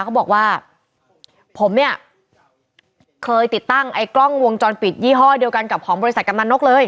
เขาบอกว่าผมเนี่ยเคยติดตั้งไอ้กล้องวงจรปิดยี่ห้อเดียวกันกับของบริษัทกำนันนกเลย